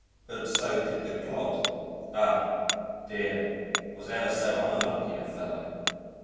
But so did the clod ah! dear, was ever so unlucky a fellow?